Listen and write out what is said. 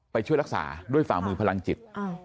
ช่วยรักษาด้วยฝ่ามือพลังจิต